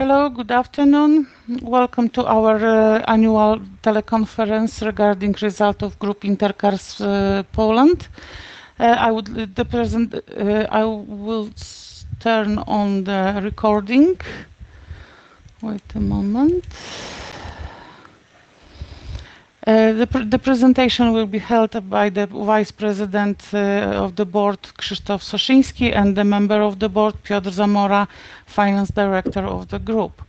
Hello, good afternoon. Welcome to our annual teleconference regarding result of Group Inter Cars Poland. I will turn on the recording. Wait a moment. The presentation will be held by the Vice-President of the Board, Krzysztof Soszyński, and the Member of the Board, Piotr Zamora, Finance Director of the group.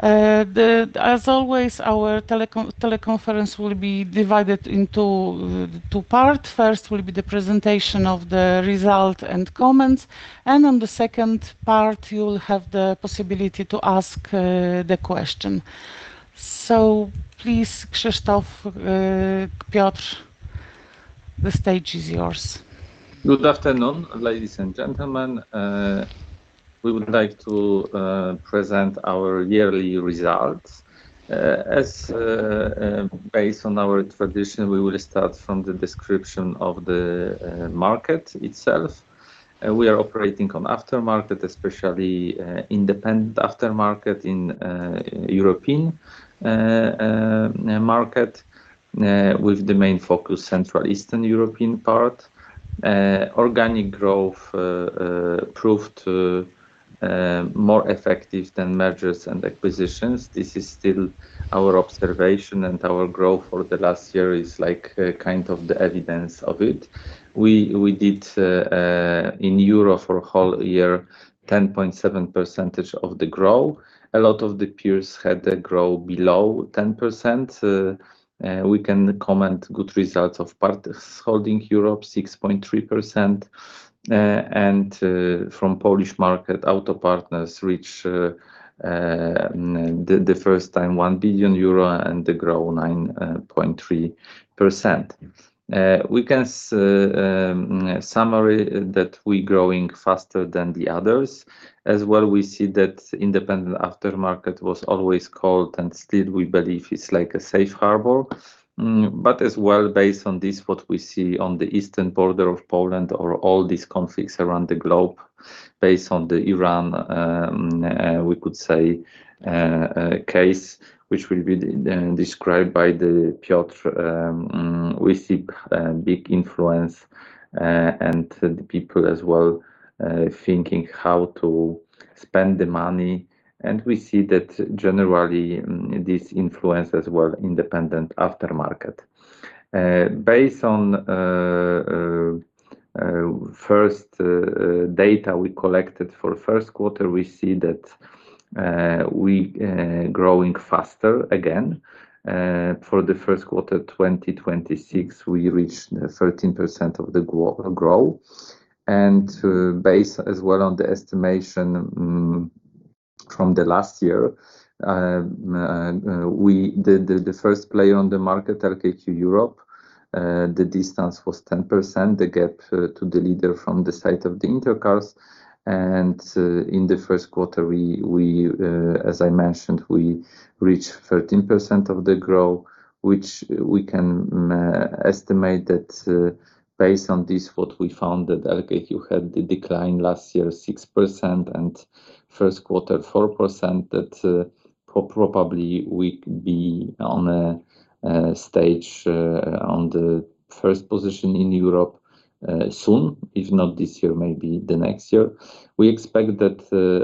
The, as always, our teleconference will be divided into two part. First will be the presentation of the result and comments, and on the second part you'll have the possibility to ask the question. Please, Krzysztof, Piotr, the stage is yours. Good afternoon, ladies and gentlemen. We would like to present our yearly results. As based on our tradition, we will start from the description of the market itself. We are operating on aftermarket, especially independent aftermarket in European market, with the main focus Central Eastern European part. Organic growth proved to more effective than mergers and acquisitions. This is still our observation, and our growth for the last year is like kind of the evidence of it. We did in euro for whole year, 10.7% of the grow. A lot of the peers had a grow below 10%. We can comment good results of Parts Holding Europe 6.3%, and from Polish market, Auto Partner reach the first time 1 billion euro and the grow 9.3%. We can summary that we growing faster than the others. As well we see that independent aftermarket was always called and still we believe it's like a safe harbor. As well, based on this, what we see on the eastern border of Poland or all these conflicts around the globe, based on the Iran case, which will be described by the Piotr, we see big influence and the people as well thinking how to spend the money. We see that generally this influence as well, independent aftermarket. Based on first data we collected for first quarter, we see that we growing faster again. For the first quarter 2026, we reached 13% of the grow. Based as well on the estimation from the last year, we the first player on the market, LKQ Europe, the distance was 10%, the gap to the leader from the side of Inter Cars. In the first quarter, as I mentioned, we reached 13% of the grow, which we can estimate that based on this, what we found that LKQ had the decline last year, 6%, and first quarter, 4%, that probably we could be on a stage on the first position in Europe soon. If not this year, maybe the next year. We expect that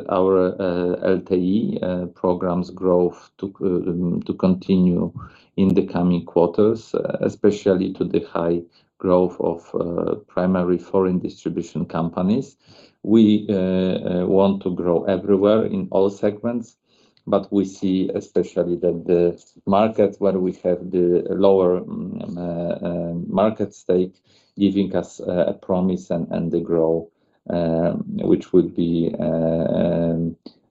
our LTI programs growth to continue in the coming quarters, especially to the high growth of primary foreign distribution companies. We want to grow everywhere in all segments, but we see especially that the markets where we have the lower market stake, giving us a promise and the grow which would be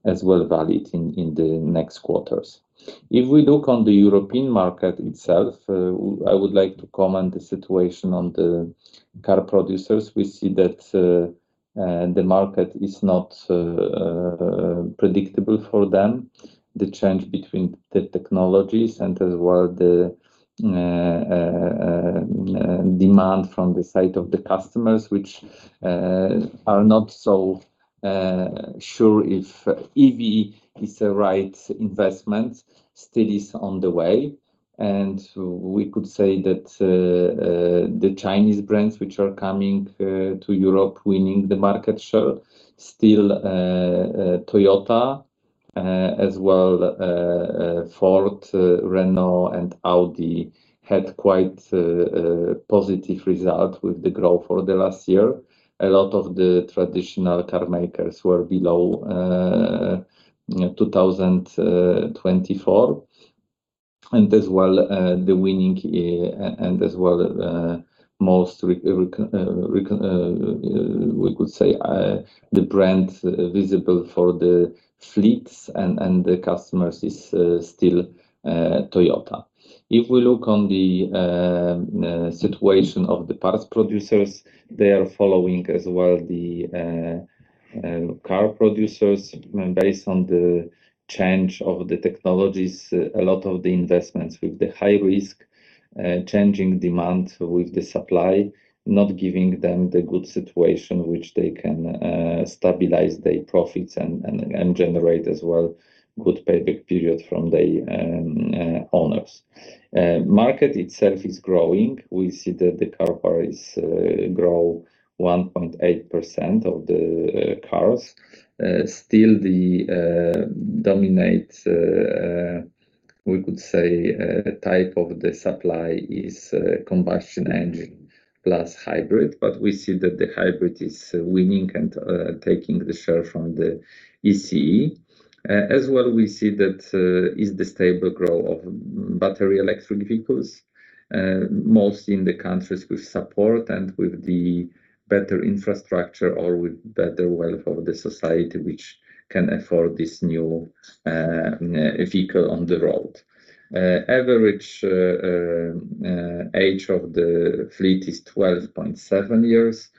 as well valid in the next quarters. If we look on the European market itself, I would like to comment the situation on the car producers. We see that the market is not predictable for them. The change between the technologies as well the demand from the side of the customers, which are not so sure if EV is the right investment still is on the way. We could say that the Chinese brands which are coming to Europe winning the market share. Still, Toyota, as well Ford, Renault and Audi had quite positive result with the growth for the last year. A lot of the traditional car makers were below 2024. As well, the winning, and as well, We could say, the brand visible for the fleets and the customers is still Toyota. If we look on the situation of the parts producers, they are following as well the car producers based on the change of the technologies. A lot of the investments with the high risk, changing demand with the supply, not giving them the good situation which they can stabilize their profits and generate as well good payback period from the owners. Market itself is growing. We see that the car park is grow 1.8% of the cars. Still the dominate, we could say, type of the supply is combustion engine plus hybrid, but we see that the hybrid is winning and taking the share from the ICE. As well, we see that is the stable growth of battery electric vehicles, mostly in the countries with support and with the better infrastructure or with better wealth of the society which can afford this new vehicle on the road. Average age of the fleet is 12.7 years,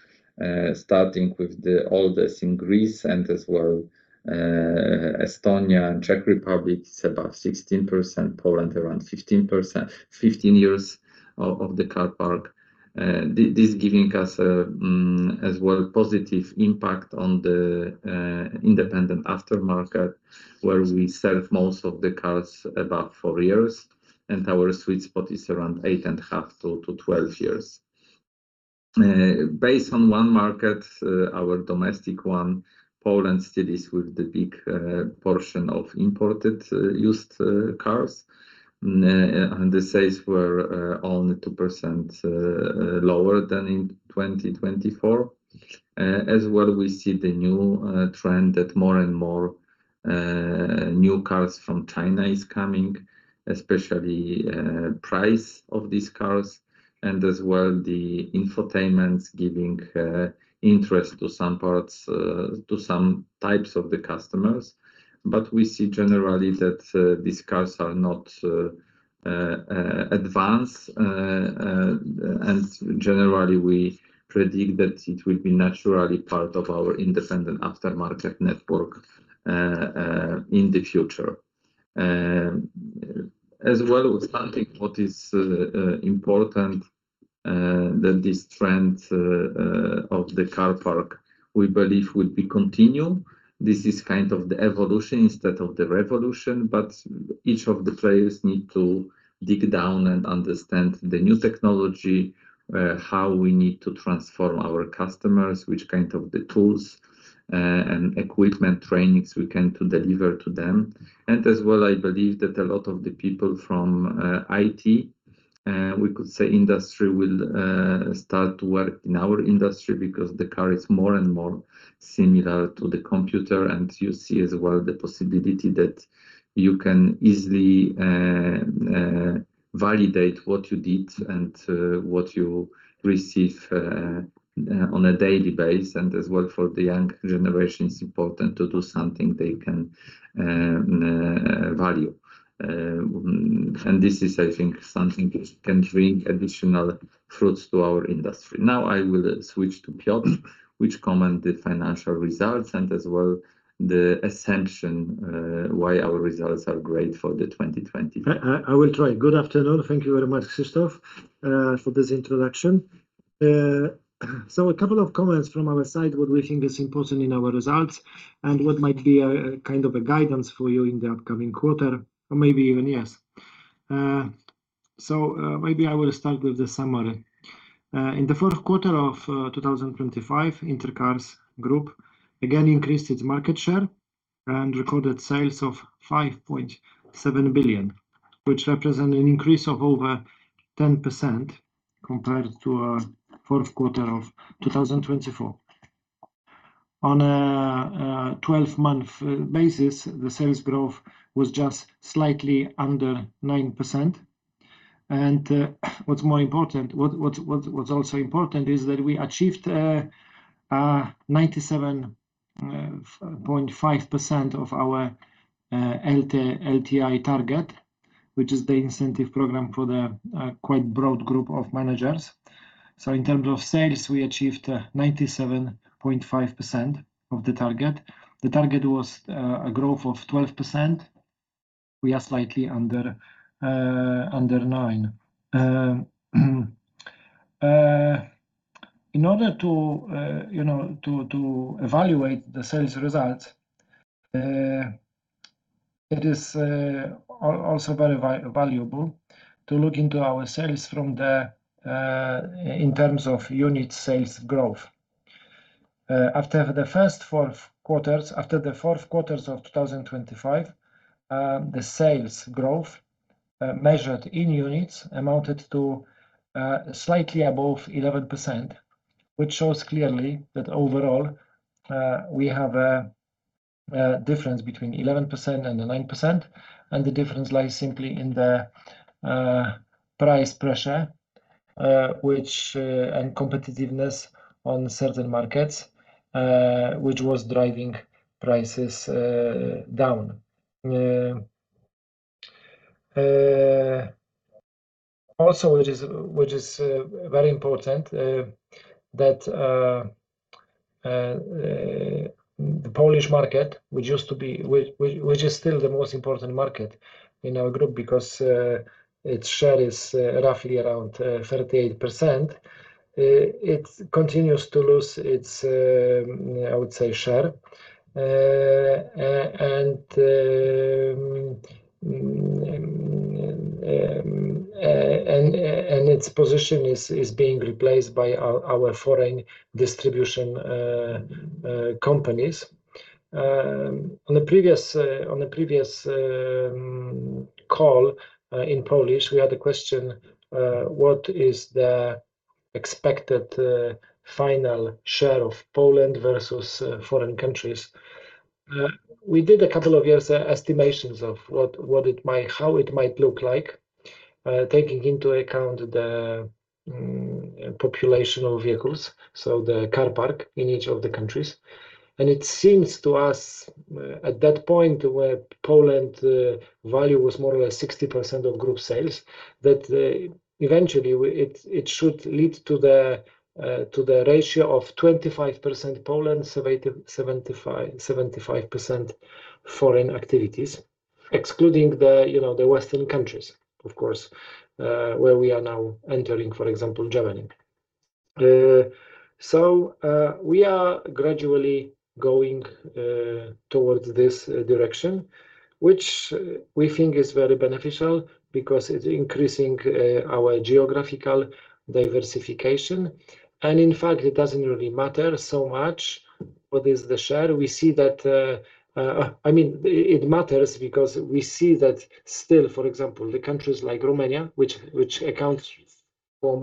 starting with the oldest in Greece and as well, Estonia and Czech Republic is about 16%, Poland around 15%, 15 years of the car park. This giving us as well positive impact on the independent aftermarket, where we serve most of the cars above four years, and our sweet spot is around 8.5-12 years. Based on one market, our domestic one, Poland still is with the big portion of imported, used cars. The sales were only 2% lower than in 2024. As well, we see the new trend that more and more new cars from China is coming, especially price of these cars and as well the infotainments giving interest to some parts, to some types of the customers. We see generally that these cars are not advanced and generally, we predict that it will be naturally part of our independent aftermarket network in the future. As well with something what is important that this trend of the car park, we believe will be continue. This is kind of the evolution instead of the revolution, each of the players need to dig down and understand the new technology, how we need to transform our customers, which kind of the tools and equipment trainings we can to deliver to them. I believe that a lot of the people from IT, we could say industry will start to work in our industry because the car is more and more similar to the computer, and you see as well the possibility that you can easily validate what you did and what you receive on a daily basis. For the young generation, it's important to do something they can value. This is I think something which can bring additional fruits to our industry. Now I will switch to Piotr, which comment the financial results and as well the assumption, why our results are great for the 2024. I will try. Good afternoon. Thank you very much, Krzysztof, for this introduction. A couple of comments from our side what we think is important in our results and what might be a kind of a guidance for you in the upcoming quarter or maybe even years. Maybe I will start with the summary. In the fourth quarter of 2025, Inter Cars Group again increased its market share and recorded sales of 5.7 billion, which represent an increase of over 10% compared to fourth quarter of 2024. On a 12-month basis, the sales growth was just slightly under 9%. What's more important, what's also important is that we achieved 97.5% of our LTI target, which is the incentive program for the quite broad group of managers. In terms of sales, we achieved 97.5% of the target. The target was a growth of 12%. We are slightly under 9%. In order to, you know, to evaluate the sales results, it is also very valuable to look into our sales from the in terms of unit sales growth. After the four quarters of 2025, the sales growth measured in units amounted to slightly above 11%, which shows clearly that overall, we have a difference between 11% and 9%, and the difference lies simply in the price pressure and competitiveness on certain markets, which was driving prices down. Also, which is very important, that the Polish market, which is still the most important market in our group because its share is roughly around 38%. It continues to lose its, I would say share, and its position is being replaced by our foreign distribution companies. On the previous, on the previous call, in Polish, we had a question, what is the expected final share of Poland versus foreign countries? We did a couple of years estimations of how it might look like, taking into account the population of vehicles, so the car park in each of the countries. It seems to us, at that point where Poland value was more or less 60% of group sales, that eventually it should lead to the ratio of 25% Poland, 75% foreign activities, excluding the, you know, the Western countries, of course, where we are now entering, for example, Germany. We are gradually going towards this direction, which we think is very beneficial because it's increasing our geographical diversification. In fact, it doesn't really matter so much what is the share. We see that I mean, it matters because we see that still, for example, the countries like Romania, which accounts for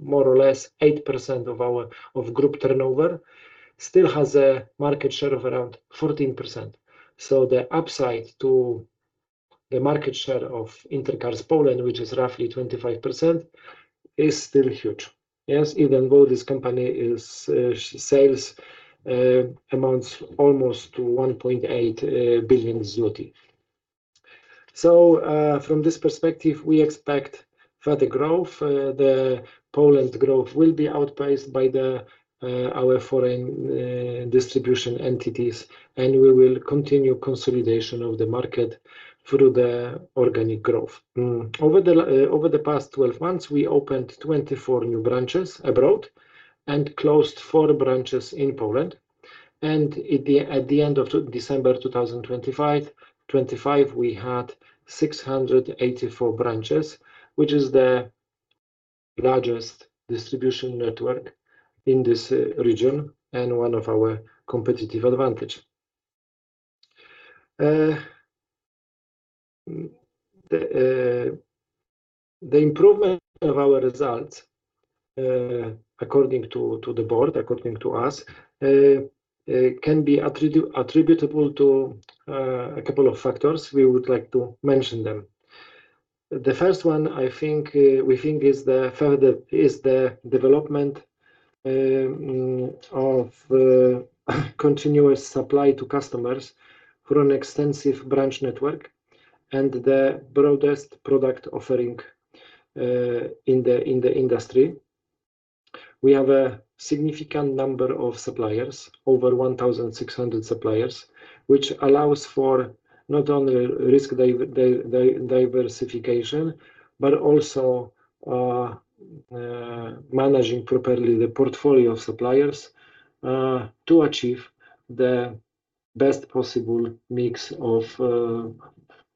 more or less 8% of our, of group turnover, still has a market share of around 14%. The upside to the market share of Inter Cars Poland, which is roughly 25%, is still huge. Yes. Even though this company is sales amounts almost to 1.8 billion zloty. From this perspective, we expect further growth. The Poland growth will be outpaced by our foreign distribution entities, and we will continue consolidation of the market through the organic growth. Over the past 12 months, we opened 24 new branches abroad and closed four branches in Poland. At the end of December 2025, we had 684 branches, which is the largest distribution network in this region and one of our competitive advantage. The improvement of our results, according to the board, according to us, can be attributable to a couple of factors. We would like to mention them. The first one, I think, we think is the development of the continuous supply to customers through an extensive branch network and the broadest product offering in the industry. We have a significant number of suppliers, over 1,600 suppliers, which allows for not only risk diversification, but also managing properly the portfolio of suppliers to achieve the best possible mix of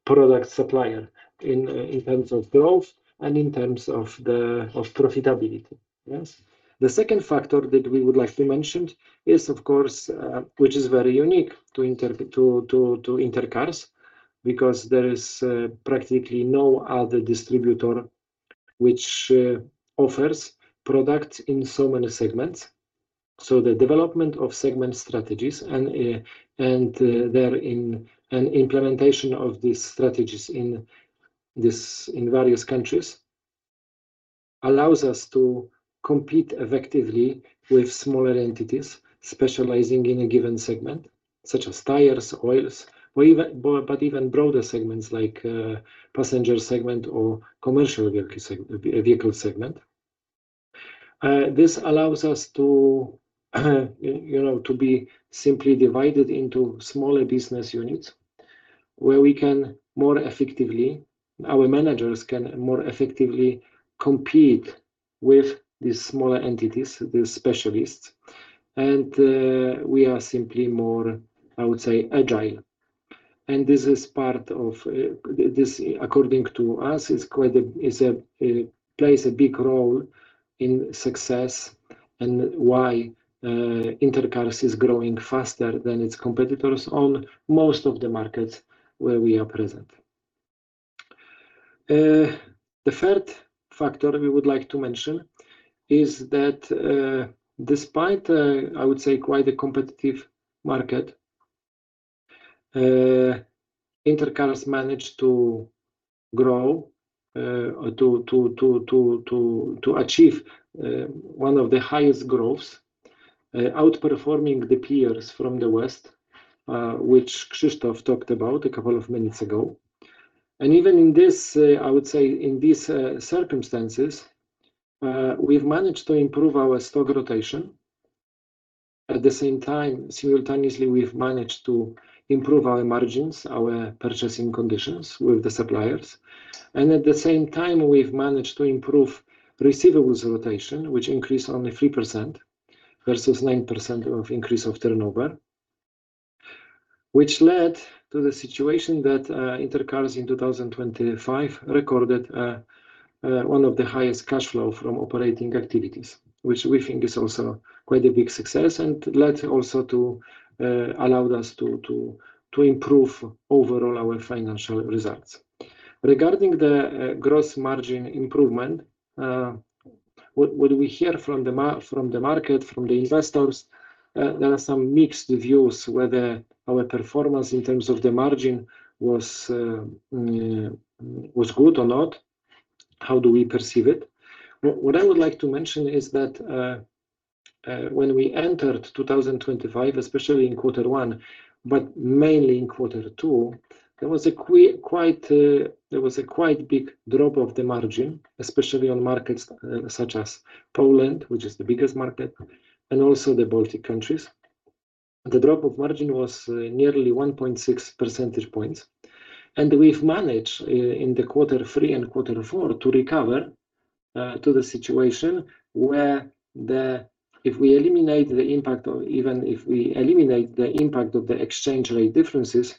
product supplier in terms of growth and in terms of profitability. Yes. The second factor that we would like to mention is, of course, which is very unique to Inter Cars, because there is practically no other distributor which offers product in so many segments. The development of segment strategies and implementation of these strategies in this, in various countries allows us to compete effectively with smaller entities specializing in a given segment, such as tires, oils, or even but even broader segments like passenger segment or commercial vehicle segment. This allows us to, you know, to be simply divided into smaller business units where we can more effectively, our managers can more effectively compete with these smaller entities, the specialists. We are simply more, I would say, agile. This is part of, this, according to us, is quite a, plays a big role in success and why Inter Cars is growing faster than its competitors on most of the markets where we are present. The third factor we would like to mention is that, despite, I would say quite a competitive market, Inter Cars managed to grow to achieve one of the highest growths, outperforming the peers from the West, which Krzysztof talked about a couple of minutes ago. Even in this, I would say in these, circumstances, we've managed to improve our stock rotation. At the same time, simultaneously, we've managed to improve our margins, our purchasing conditions with the suppliers. At the same time, we've managed to improve receivables rotation, which increased only 3% versus 9% of increase of turnover, which led to the situation that Inter Cars in 2025 recorded one of the highest cash flow from operating activities, which we think is also quite a big success and allowed us to improve overall our financial results. Regarding the gross margin improvement, what we hear from the market, from the investors, there are some mixed views whether our performance in terms of the margin was good or not. How do we perceive it? What I would like to mention is that when we entered 2025, especially in Q1, but mainly in Q2, there was a quite big drop of the margin, especially on markets such as Poland, which is the biggest market, and also the Baltic countries. The drop of margin was nearly 1.6 percentage points. We've managed in quarter three and quarter four to recover. If we eliminate the impact of the exchange rate differences,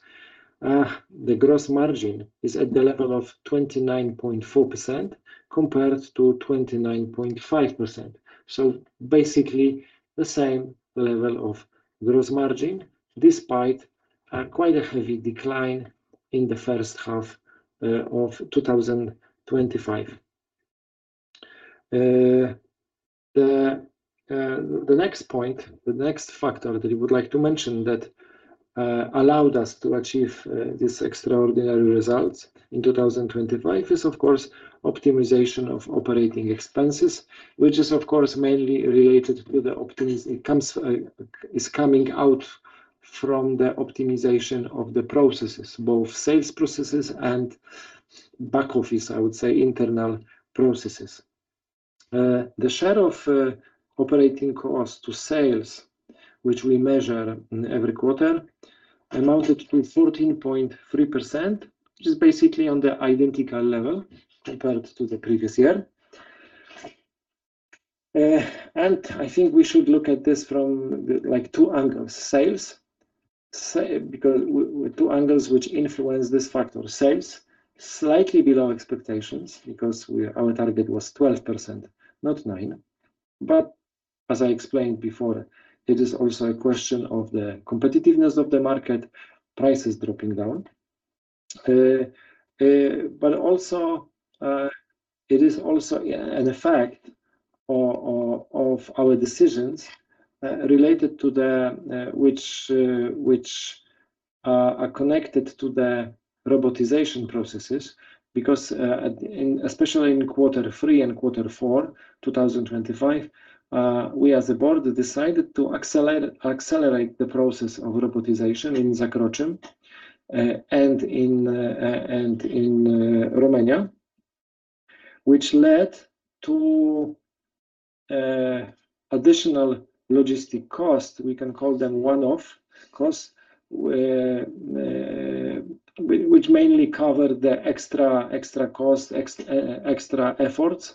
the gross margin is at the level of 29.4% compared to 29.5%. Basically the same level of gross margin despite quite a heavy decline in the first half of 2025. The next point, the next factor that we would like to mention that allowed us to achieve this extraordinary results in 2025 is of course optimization of operating expenses, which is of course mainly related to the optimization of the processes, both sales processes and back office, I would say, internal processes. The share of operating costs to sales, which we measure in every quarter, amounted to 14.3%, which is basically on the identical level compared to the previous year. I think we should look at this from like two angles. Sales, slightly below expectations because our target was 12%, not 9%. As I explained before, it is also a question of the competitiveness of the market, prices dropping down. Also, it is also an effect of our decisions related to the which are connected to the robotization processes because, especially in quarter three and quarter four 2025, we as a board decided to accelerate the process of robotization in Zakroczym and in Romania, which led to additional logistic costs. We can call them one-off costs which mainly cover the extra cost, extra efforts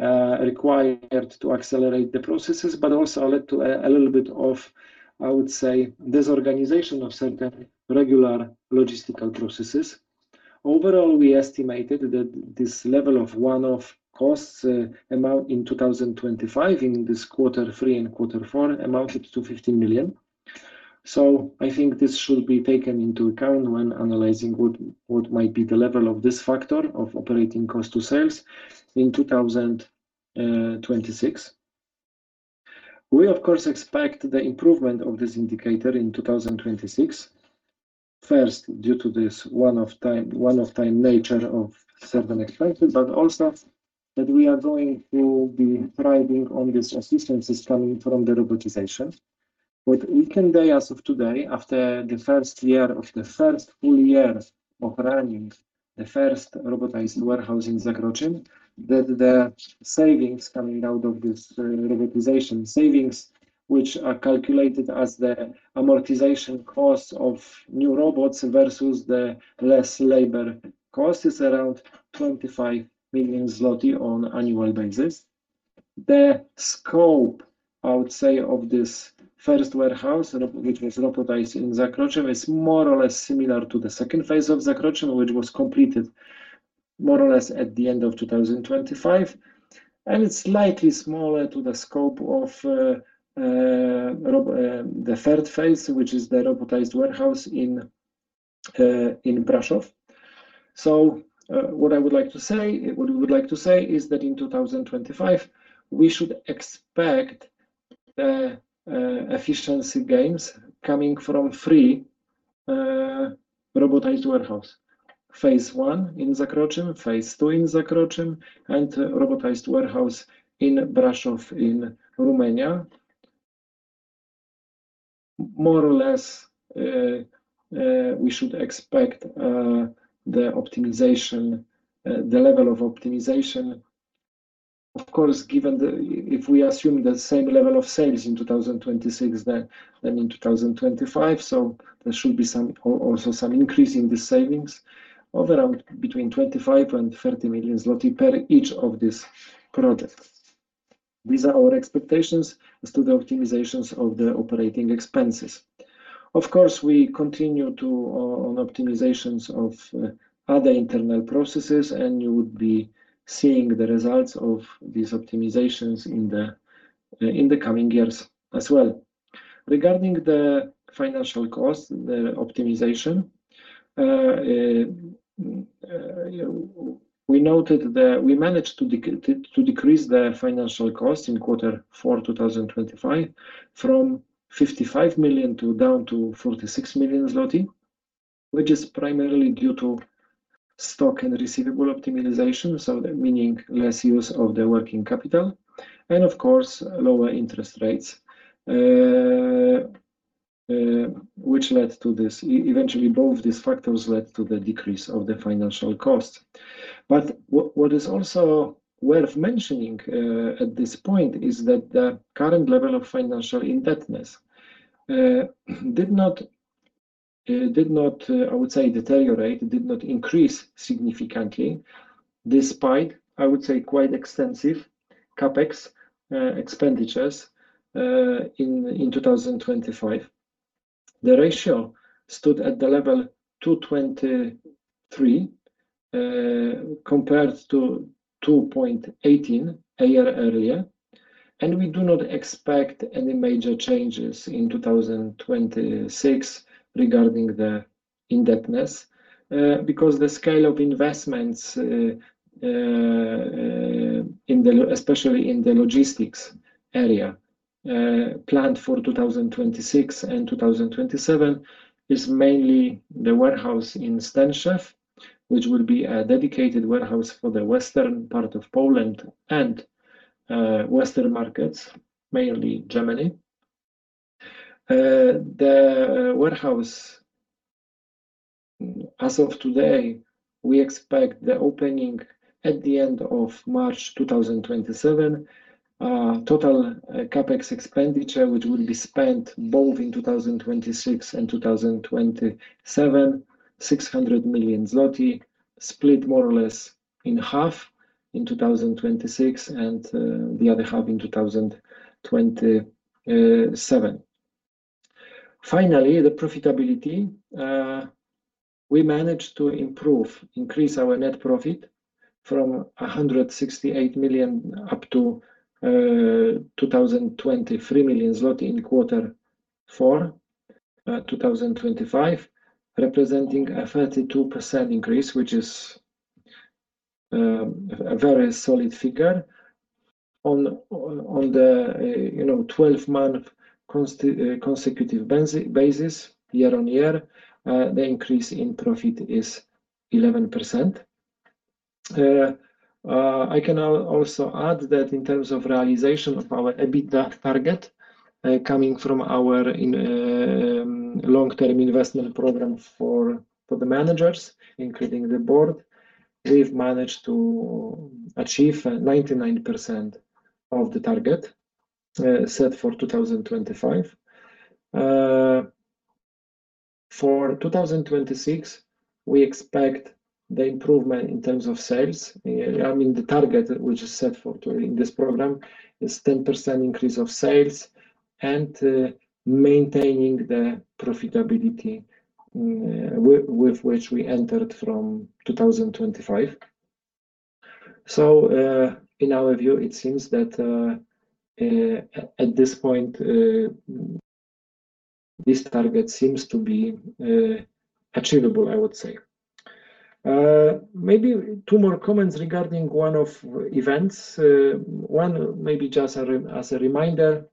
required to accelerate the processes, but also led to a little bit of, I would say, disorganization of certain regular logistical processes. Overall, we estimated that this level of one-off costs, amount in 2025 in this quarter three and quarter four amounted to 15 million. I think this should be taken into account when analyzing what might be the level of this factor of operating cost to sales in 2026. We of course expect the improvement of this indicator in 2026. First, due to this one of time nature of certain expenses, but also that we are going to be thriving on this assistance is coming from the robotization. What we can say as of today, after the first year of the first full year of running the first robotized warehouse in Zakroczym, the savings coming out of this robotization, savings which are calculated as the amortization cost of new robots versus the less labor cost is around 25 million zloty on annual basis. The scope, I would say, of this first warehouse which was robotized in Zakroczym is more or less similar to the second phase of Zakroczym, which was completed more or less at the end of 2025. It's slightly smaller to the scope of the third phase, which is the robotized warehouse in Brasov. What I would like to say, what we would like to say is that in 2025, we should expect efficiency gains coming from three robotized warehouse. Phase I in Zakroczym, phase II in Zakroczym, and robotized warehouse in Brasov in Romania. More or less, we should expect the optimization, the level of optimization. Of course, given the, if we assume the same level of sales in 2026 than in 2025, there should be also some increase in the savings of around between 25 million and 30 million zloty per each of these projects. These are our expectations as to the optimizations of the operating expenses. Of course, we continue to on optimizations of other internal processes, and you would be seeing the results of these optimizations in the coming years as well. Regarding the financial cost, the optimization, you know, we noted that we managed to decrease the financial cost in quarter four 2025 from 55 million to down to 46 million zloty, which is primarily due to stock and receivable optimization, so the meaning less use of the working capital and of course, lower interest rates, which led to this eventually, both these factors led to the decrease of the financial cost. What is also worth mentioning at this point is that the current level of financial indebtedness did not, I would say, deteriorate, did not increase significantly despite, I would say, quite extensive CapEx expenditures in 2025. The ratio stood at the level 2.23x compared to 2.18x a year earlier. We do not expect any major changes in 2026 regarding the indebtedness, because the scale of investments, especially in the logistics area, planned for 2026 and 2027 is mainly the warehouse in Szczecin, which will be a dedicated warehouse for the western part of Poland and western markets, mainly Germany. The warehouse, as of today, we expect the opening at the end of March 2027. Total CapEx expenditure, which will be spent both in 2026 and 2027, 600 million zloty, split more or less in half in 2026 and the other half in 2027. Finally, the profitability, we managed to improve, increase our net profit from 168 million up to 2.023 billion zloty in Q4 2025, representing a 32% increase, which is a very solid figure. On the, you know, 12-month consecutive basis, year on year, the increase in profit is 11%. I can also add that in terms of realization of our EBITDA target, coming from our in long-term investment program for the managers, including the board, we've managed to achieve 99% of the target set for 2025. For 2026, we expect the improvement in terms of sales. I mean, the target which is set in this program is 10% increase of sales and maintaining the profitability with which we entered from 2025. In our view, it seems that at this point, this target seems to be achievable, I would say. Maybe two more comments regarding one-off events. One maybe just as a reminder,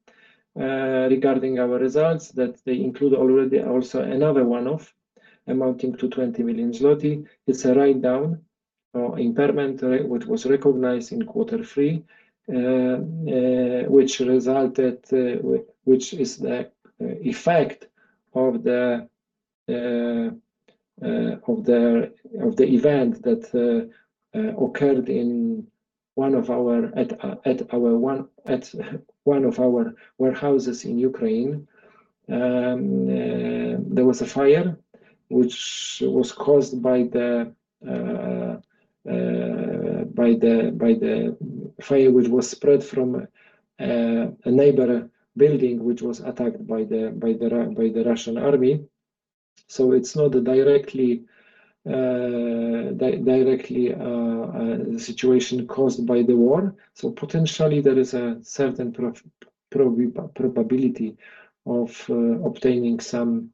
regarding our results that they include already also another one-off amounting to 20 million zloty. It's a write-down or impairment, right, which was recognized in quarter three, which resulted, which is the effect of the event that occurred at one of our warehouses in Ukraine. There was a fire which was caused by the fire which was spread from a neighbor building which was attacked by the Russian army. It's not directly situation caused by the war. Potentially there is a certain probability of obtaining some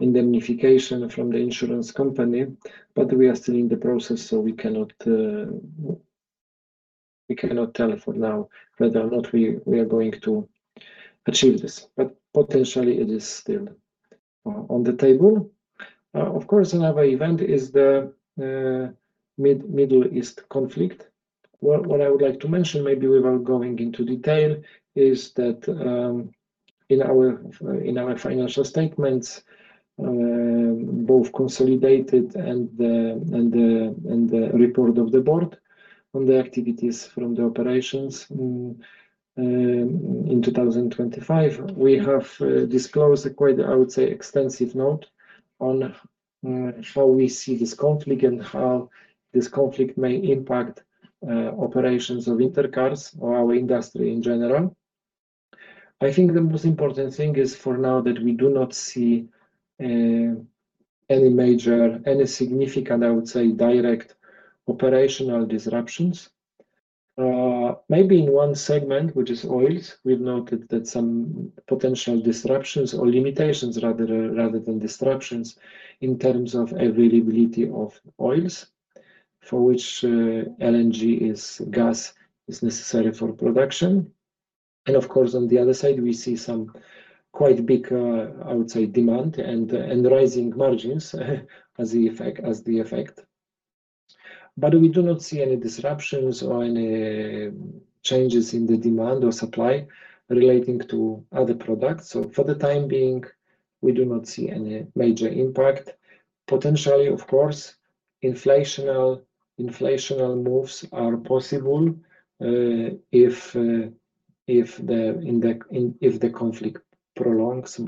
indemnification from the insurance company, but we are still in the process, so we cannot, we cannot tell for now whether or not we are going to achieve this. Potentially it is still on the table. Of course, another event is the Middle East conflict. What I would like to mention, maybe without going into detail, is that in our in our financial statements, both consolidated and the report of the board on the activities from the operations in 2025, we have disclosed quite, I would say, extensive note on how we see this conflict and how this conflict may impact operations of Inter Cars or our industry in general. I think the most important thing is for now that we do not see any major, any significant, I would say, direct operational disruptions. Maybe in one segment, which is oils, we've noted that some potential disruptions or limitations rather than disruptions in terms of availability of oils for which LNG is gas is necessary for production. Of course, on the other side, we see some quite big, I would say, demand and rising margins as the effect. We do not see any disruptions or any changes in the demand or supply relating to other products. For the time being, we do not see any major impact. Potentially, of course, inflationary moves are possible, if the conflict prolongs.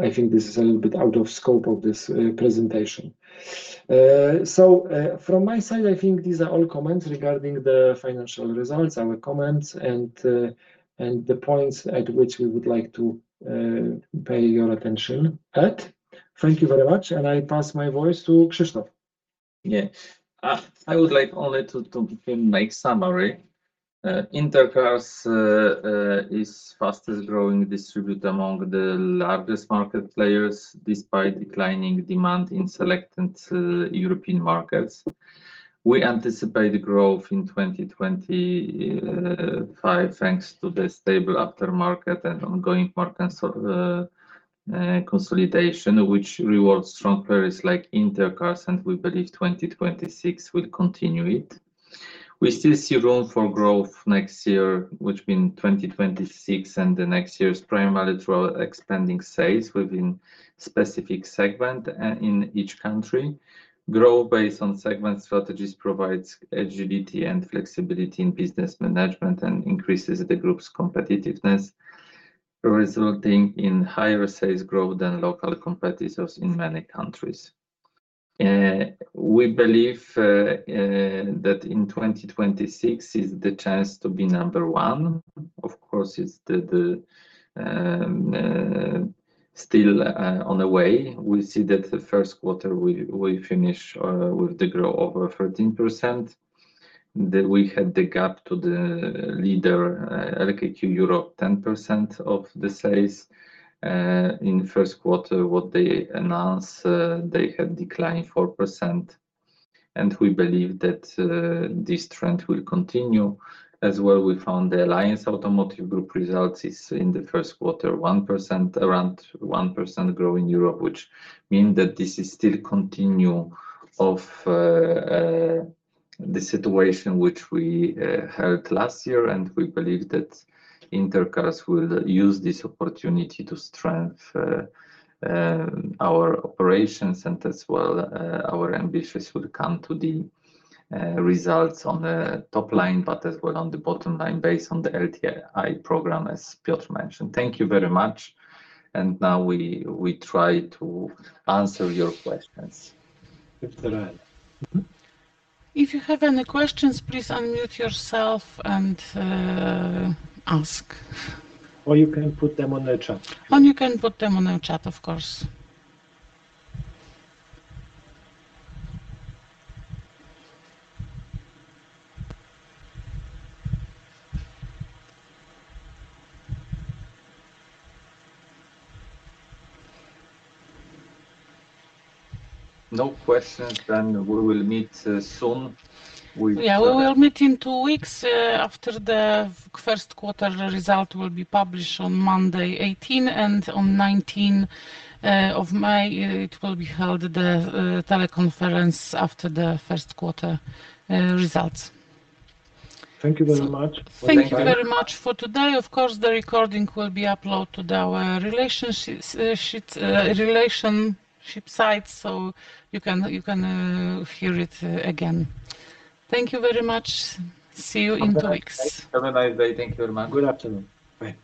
I think this is a little bit out of scope of this presentation. From my side, I think these are all comments regarding the financial results, our comments, and the points at which we would like to pay your attention at. Thank you very much, and I pass my voice to Krzysztof. Yeah. I would like only to make summary. Inter Cars is fastest-growing distributor among the largest market players despite declining demand in select European markets. We anticipate growth in 2025, thanks to the stable aftermarket and ongoing market consolidation, which rewards strong players like Inter Cars. We believe 2026 will continue it. We still see room for growth next year, which mean 2026 and the next year's primary through expanding sales within specific segment in each country. Growth based on segment strategies provides agility and flexibility in business management and increases the group's competitiveness, resulting in higher sales growth than local competitors in many countries. We believe that in 2026 is the chance to be number 1. Of course, it's still on the way. We see that the first quarter we finish with the growth over 13%. We had the gap to the leader, LKQ Europe, 10% of the sales. In first quarter, what they announce, they had declined 4%, we believe that this trend will continue. As well, we found the Alliance Automotive Group results is in the first quarter, 1%, around 1% growth in Europe, which mean that this is still continue of the situation which we had last year. We believe that Inter Cars will use this opportunity to strengthen our operations and as well, our ambitions will come to the results on the top line, but as well on the bottom line based on the LTI program as Piotr mentioned. Thank you very much. Now we try to answer your questions. If they're there. Mm-hmm. If you have any questions, please unmute yourself and ask. You can put them on the chat. You can put them on the chat, of course. No questions. We will meet soon. Yeah, we will meet in two weeks, after the first quarter result will be published on Monday 18, and on 19 of May, it will be held, the teleconference after the first quarter results. Thank you very much. Thank you very much for today. Of course, the recording will be uploaded our relationship site, so you can hear it again. Thank you very much. See you in two weeks. Have a nice day. Thank you very much. Good afternoon. Bye.